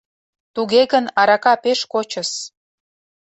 Туге гын, арака пеш кочыс...